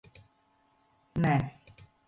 Nē.